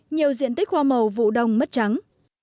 nhiều diện tích hoa màu vụ đông mất trắng